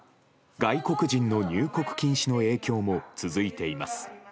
外国人の入国禁止の影響も続いています。